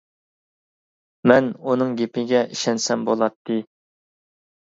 مەن ئۇنىڭ گېپىگە ئىشەنسەم بولاتتى.